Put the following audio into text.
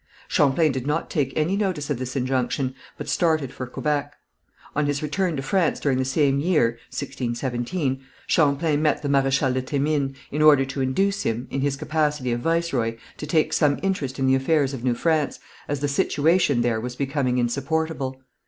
Champlain did not take any notice of this injunction, but started for Quebec. On his return to France during the same year (1617) Champlain met the Maréchal de Thémines, in order to induce him, in his capacity of viceroy, to take some interest in the affairs of New France, as the situation there was becoming insupportable.